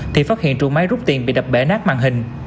thì phát hiện trụng máy rút tiền bị đập bể nát màn hình